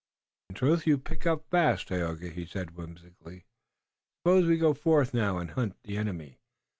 "In truth, you pick up fast, Tayoga," he said whimsically. "Suppose we go forth now and hunt the enemy.